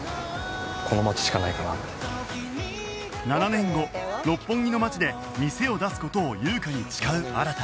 ７年後六本木の街で店を出す事を優香に誓う新